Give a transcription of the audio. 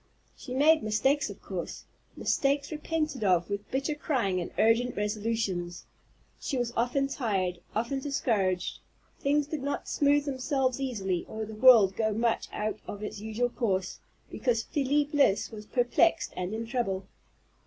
She made mistakes of course, mistakes repented of with bitter crying and urgent resolutions. She was often tried, often discouraged; things did not smooth themselves easily, or the world go much out of its usual course, because Felie Bliss was perplexed and in trouble.